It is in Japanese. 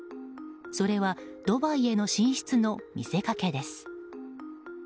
それはドバイへの進出の見せかけです。